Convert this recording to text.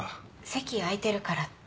席空いてるからって。